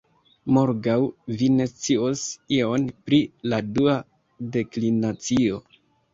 Morgaŭ vi ne scios ion pri la dua deklinacio.